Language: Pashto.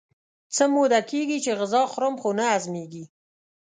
څه موده کېږي چې غذا خورم خو نه هضمېږي.